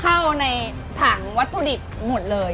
เข้าในถังวัตถุดิบหมดเลย